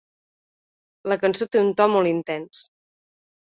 La cançó té un to molt intens.